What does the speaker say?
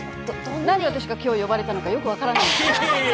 何で、私が今日呼ばれたのか、よくわからない。